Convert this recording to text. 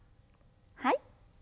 はい。